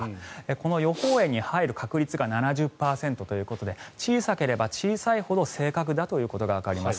この予報円に入る確率が７０％ということで小さければ小さいほど正確だということがわかります。